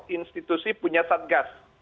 institusi punya satgas